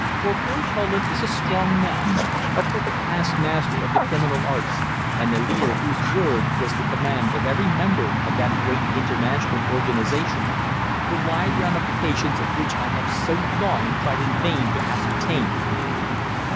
For Phil Poland is a strong man, a perfect past master of the criminal arts, and a leader whose word was the command of every member of that great international organization, the wide ramifications of which I have so long tried in vain to ascertain."